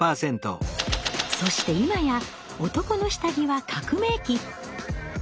そして今や男の下着は革命期。